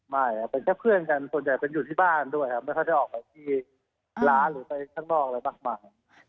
ไม่ครับเป็นแค่เพื่อนกันส่วนใหญ่เป็นอยู่ที่บ้านด้วยครับไม่ค่อยได้ออกไปที่ร้านหรือไปข้างนอกอะไรมากมาย